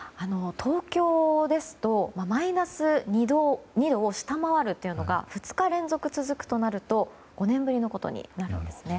東京ですとマイナス２度を下回るというのが２日連続続くとなると５年ぶりのことになるんです。